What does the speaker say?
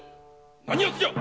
何やつじゃ！